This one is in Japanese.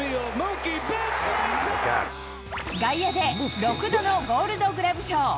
外野で６度のゴールドグラブ賞。